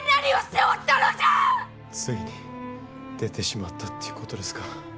ついに出てしまったということですか。